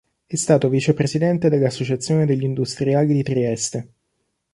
È stato vicepresidente dell'Associazione degli Industriali di Trieste.